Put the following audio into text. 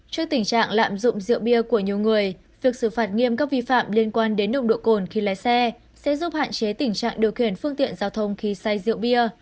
trước tình trạng lạm dụng rượu bia của nhiều người việc xử phạt nghiêm các vi phạm liên quan đến nồng độ cồn khi lái xe sẽ giúp hạn chế tình trạng điều khiển phương tiện giao thông khi xay rượu bia